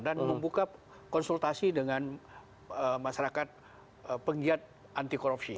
dan membuka konsultasi dengan masyarakat penggiat anti korupsi